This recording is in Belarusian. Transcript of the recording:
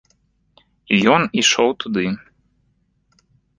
І ён ішоў туды.